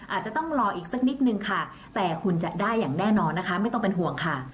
อาจจะต้องรออีกสักนิดนึงค่ะแต่คุณจะได้อย่างแน่นอนนะคะไม่ต้องเป็นห่วงค่ะ